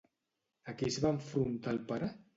A qui es va enfrontar el pare?